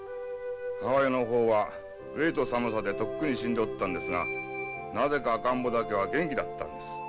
母親の方は飢えと寒さでとっくに死んでおったんですがなぜか赤ん坊だけは元気だったんです。